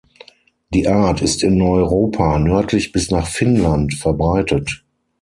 Die Art ist in Europa, nördlich bis nach Finnland, verbreitet.